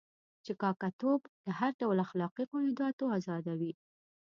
چې کاکه توب له هر ډول اخلاقي قیوداتو آزادوي.